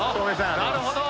なるほど！